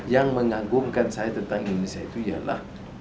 yang mengagumkan saya tentang indonesia itu ialah